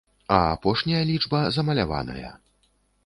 А апошняя лічба замаляваная.